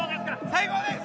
最高です！